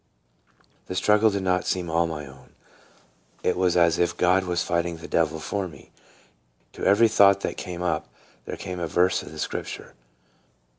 The struggle did not seem all my own; it was as if God was fighting the devil for me. To every thought that came up there came a verse of the Scripture.